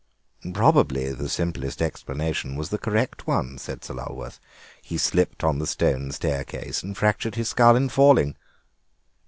"Probably the simplest explanation was the correct one," said Sir Lulworth; "he slipped on the stone staircase and fractured his skull in falling."